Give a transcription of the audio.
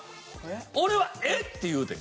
俺は「えっ？」って言うてん。